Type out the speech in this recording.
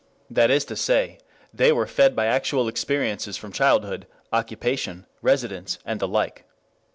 That is to say, they were fed by actual experiences from childhood, occupation, residence, and the like.